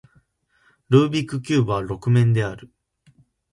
ルービックキューブは六面である